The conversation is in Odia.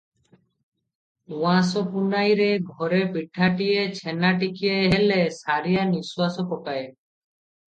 ଉଆଁସ ପୁନାଇରେ ଘରେ ପିଠାଟିଏ, ଛେନାଟିକିଏ ହେଲେ ସାରିଆ ନିଃଶ୍ୱାସ ପକାଏ ।